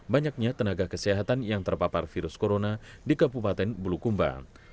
banyaknya tenaga kesehatan yang terpapar virus corona di kabupaten bulukumba